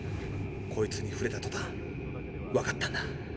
こいつにふれたとたんわかったんだ。